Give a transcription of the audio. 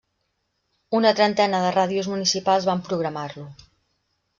Una trentena de ràdios municipals van programar-lo.